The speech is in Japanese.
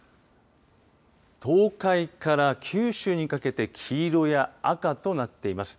東海から九州にかけて黄色や赤となっています。